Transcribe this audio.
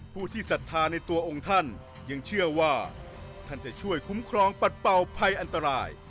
ผู้ที่ศรัทธาในตัวองค์ท่านยังเชื่อว่าท่านจะช่วยคุ้มครองปัดเป่าภัยอันตราย